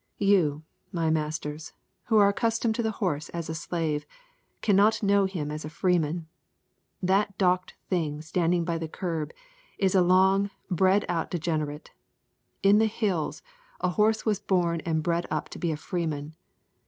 You, my masters, who are accustomed to the horse as a slave, cannot know him as a freeman. That docked thing standing by the curb is a long bred out degenerate. In the Hills a horse was born and bred up to be a freeman.